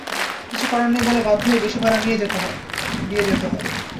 কিছু করার নেই বলে বাধ্য হয়ে বেশি ভাড়া দিয়ে যেতে হয়।